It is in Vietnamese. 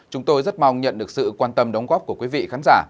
chúng tôi rất mong nhận được sự quan tâm đóng góp của quý vị khán giả